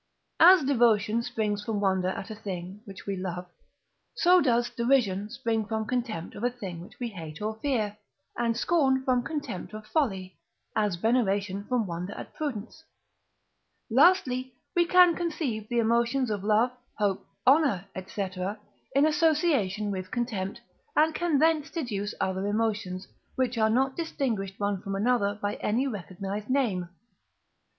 As devotion springs from wonder at a thing which we love, so does Derision spring from contempt of a thing which we hate or fear, and Scorn from contempt of folly, as veneration from wonder at prudence. Lastly, we can conceive the emotions of love, hope, honour, &c., in association with contempt, and can thence deduce other emotions, which are not distinguished one from another by any recognized name.